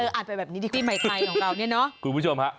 เอออ่านไปแบบนี้ดิปีใหม่ไกลของเรานี่เนอะ